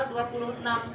sebelas kursi dengan total